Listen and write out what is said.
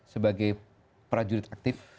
sebagai prajurit aktif